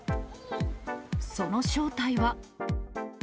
その正体は。